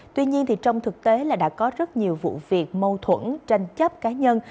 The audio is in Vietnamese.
tuy nhiên trong thực tế là đã có rất nhiều vụ việc mâu thuẫn tranh chấp cá nhân